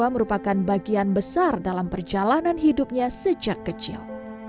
merupakan bagian besar dalam perjalanan hidupnya sejak kecil